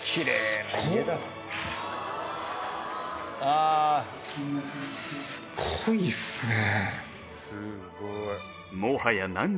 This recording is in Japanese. すごいっすね